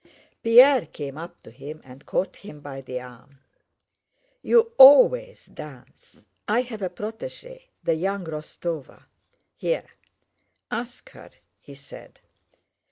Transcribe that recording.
Pierre came up to him and caught him by the arm. "You always dance. I have a protégée, the young Rostóva, here. Ask her," he said.